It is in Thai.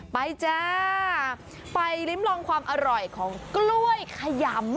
จ้าไปริ้มลองความอร่อยของกล้วยขยำ